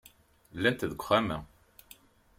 Llant deg uxxam-a.